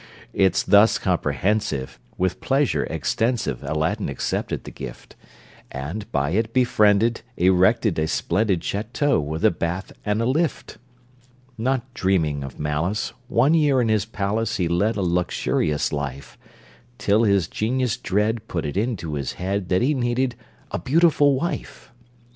It's thus comprehensive With pleasure extensive Aladdin accepted the gift, And, by it befriended, Erected a splendid Château, with a bath and a lift! Not dreaming of malice, One year in his palace He led a luxurious life, Till his genius dread Put it into his head That he needed a beautiful wife.